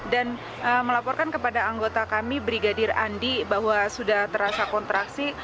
dan melaporkan kepada anggota kami brigadir andi bahwa sudah terasa kontraksi